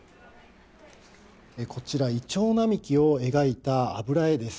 こちら、イチョウ並木を描いた油絵です。